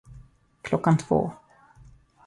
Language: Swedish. Klockan två.